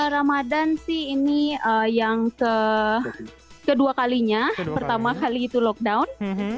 ramadan sih ini yang kedua kalinya pertama kali itu lockdown